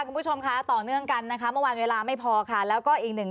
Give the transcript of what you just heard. ผมไม่ทราบให้หลวง